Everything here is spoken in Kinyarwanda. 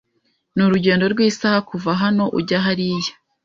Ni urugendo rw'isaha kuva hano ujya hariya.